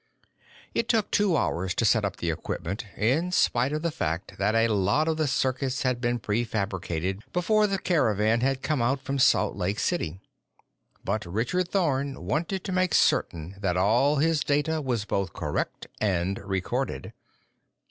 It took two hours to set up the equipment, in spite of the fact that a lot of the circuits had been prefabricated before the caravan had come out from Salt Lake City. But Richard Thorn wanted to make certain that all his data was both correct and recorded.